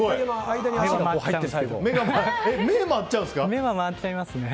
目、回っちゃいますね。